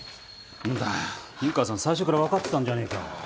んだよ湯川さん最初からわかってたんじゃねぇか。